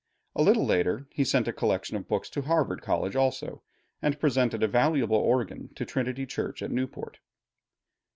A little later he sent a collection of books to Harvard College also, and presented a valuable organ to Trinity Church in Newport.